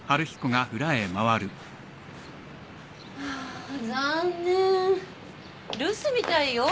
あーあ残念留守みたいよ。